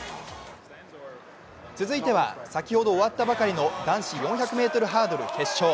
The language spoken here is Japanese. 続いては先ほど終わったばかりの男子４００ｍハードル決勝。